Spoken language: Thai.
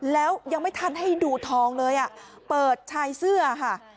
แล้วยังไม่ทันให้ดูทองเลยอ่ะเปิดชายเสื้อค่ะ